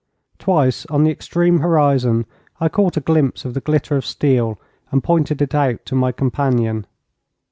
Twice on the extreme horizon I caught a glimpse of the glitter of steel, and pointed it out to my companion.